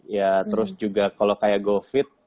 ya terus juga kalau kayak covid